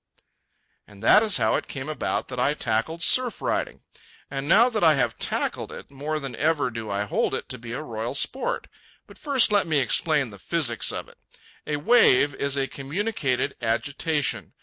And that is how it came about that I tackled surf riding. And now that I have tackled it, more than ever do I hold it to be a royal sport. But first let me explain the physics of it. A wave is a communicated agitation.